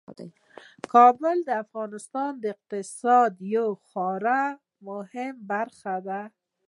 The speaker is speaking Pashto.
کابل د افغانستان د اقتصاد یوه خورا مهمه برخه ده.